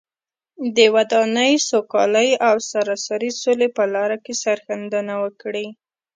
د ودانۍ، سوکالۍ او سراسري سولې په لاره کې سرښندنه وکړي.